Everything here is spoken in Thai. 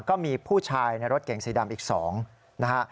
ก็มีผู้ชายในรถเก่งสีดำอีก๒นะฮะ